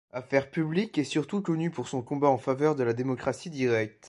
Affaires publiques est surtout connu pour son combat en faveur de la démocratie directe.